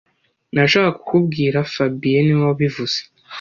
Nashakaga kukubwira fabien niwe wabivuze